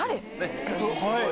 はい。